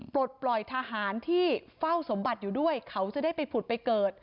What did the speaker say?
ปลดปล่อยทหารที่เฝ้าสมบัติอยู่ด้วยเขาจะได้ไปผุดไปเกิด